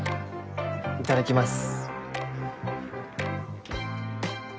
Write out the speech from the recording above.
いただきます。